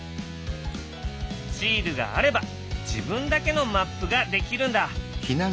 シールがあれば自分だけのマップができるんだ！